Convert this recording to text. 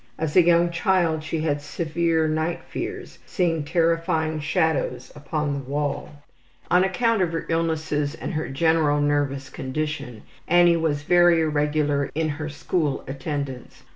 As a young child she had severe night fears, seeing terrifying shadows upon the wall. On account of her illnesses and her general nervous condition, Annie was very irregular in her school attendance.